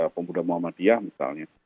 pemuda muhammadiyah misalnya